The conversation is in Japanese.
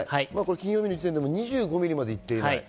金曜日の時点でも２５ミリまで行っていない。